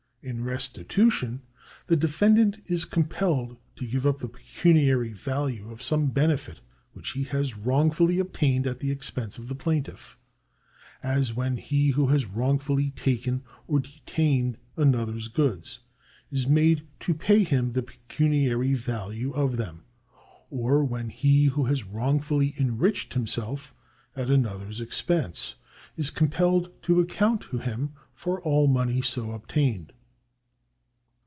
In restitution the defendant is compelled to give up the pecu niary value of some benelit which he has wrongfully obtained at the expense of the plaintiif ; as when he who has wrong fully taken or detained another's goods is made to pay him the pecuniary value of them, or when he w^ho has wrongfully enriched himself at another's expense is compelled to account to him for all money so obtained.